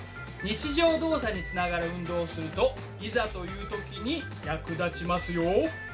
日常動作につながる運動をするといざという時に役立ちますよ。